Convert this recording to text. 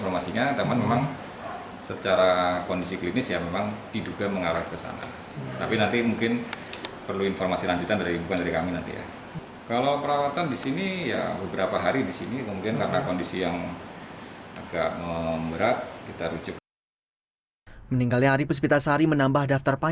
meninggalnya ari puspitasari menambah daftar panjang tenaga medis di indonesia